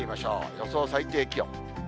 予想最低気温。